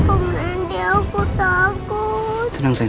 om nandi aku takut